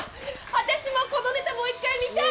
私もこのネタもう一回見たい！